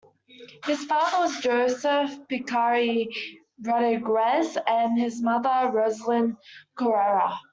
His father was Joseph Pichai Rodriguez and his mother Roselin Correra.